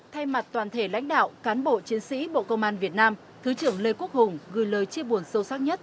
thay mặt toàn thể lãnh đạo cán bộ chiến sĩ bộ công an việt nam thứ trưởng lê quốc hùng gửi lời chia buồn sâu sắc nhất